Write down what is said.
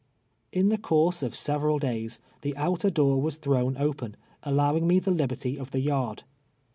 In the course of several days the outer door was thrown open, allowing me the liberty of the yard.